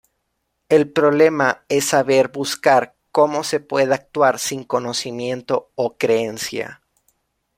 El problema es saber buscar cómo se puede actuar sin conocimiento o creencia.